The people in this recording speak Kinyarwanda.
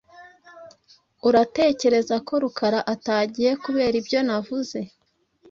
Uratekereza ko Rukara atagiye kubera ibyo navuze?